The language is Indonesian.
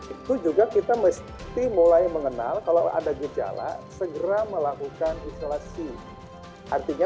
itu juga kita mesti mulai mengenal kalau ada gejala segera melakukan isolasi artinya